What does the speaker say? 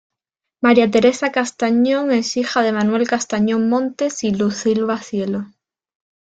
María Teresa Castañón es hija de Manuel Castañón Montes y Luz Silva Cielo.